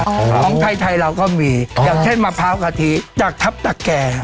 ของไทยไทยเราก็มีอย่างเช่นมะพร้าวกะทิจากทัพตะแก่